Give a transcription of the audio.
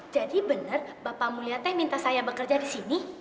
jadi benar bapak mulya t minta saya bekerja disini